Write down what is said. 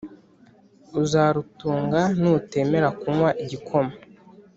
uzarutunga nutemera kunywa igikoma